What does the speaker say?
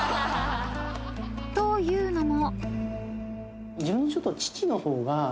［というのも］